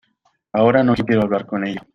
ahora no quiero hablar con ella.